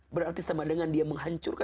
berarti sama dengan dia menghancurkan